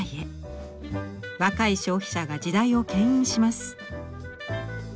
若い消費者が時代をけん引します。